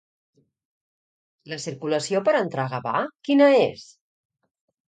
La circulació per entrar a Gavà quina és?